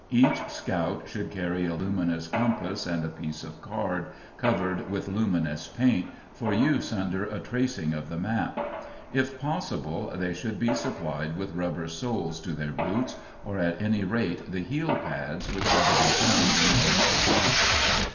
Each scout should carry a luminous compass and a piece of card, covered with luminous paint, for use under a tracing of the map. If possible, they should be supplied with rubber soles to their boots or, at any rate, the heel pads, which are to be found in most shops.